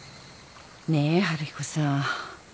ねえ春彦さん。